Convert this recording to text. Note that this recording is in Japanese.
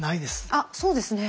あっそうですね。